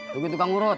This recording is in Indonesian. tunggu tukang urut